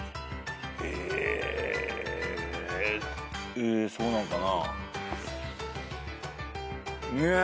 えそうなのかな？